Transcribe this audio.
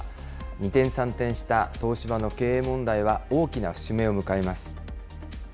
二転三転した東芝の経営問題は大きな節目を迎えます。